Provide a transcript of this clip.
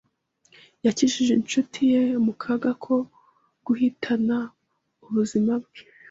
Yakijije inshuti ye mu kaga ko guhitana ubuzima bwe.